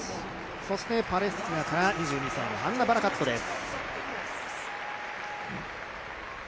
そしてパレスチナから２２歳のハンナ・バラカットです。